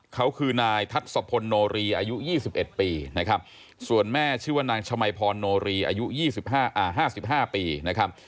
เขาคือนายทัศพลโนรีอายุ๒๑ปีนะครับส่วนแม่ชื่อว่านางชมัยพรโนรีอายุ๕๕ปีนะครับ